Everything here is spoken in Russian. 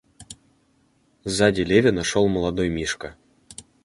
Сзади Левина шел молодой Мишка.